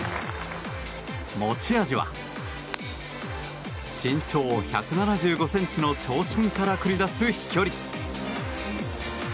持ち味は、身長１７５ｃｍの長身から繰り出す飛距離。